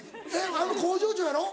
あの工場長やろ？